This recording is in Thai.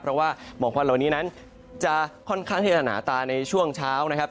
เพราะว่าหมอกควันเหล่านี้นั้นจะค่อนข้างที่จะหนาตาในช่วงเช้านะครับ